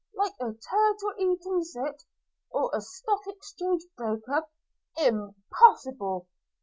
– like a turtle eating cit, or a Stock Exchange broker! – Impossible!